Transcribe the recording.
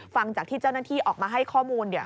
ฟังจากที่เจ้าหน้าที่ออกมาให้ข้อมูลเนี่ย